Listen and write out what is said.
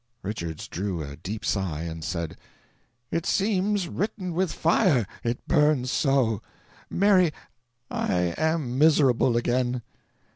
Richards drew a deep sigh, and said: "It seems written with fire it burns so. Mary I am miserable again."